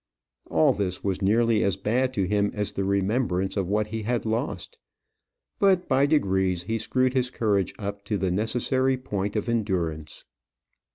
All this was nearly as bad to him as the remembrance of what he had lost; but by degrees he screwed his courage up to the necessary point of endurance.